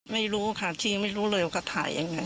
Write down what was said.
ไม่รู้ค่ะจริงไม่รู้เลยว่าเขาถ่ายยังไง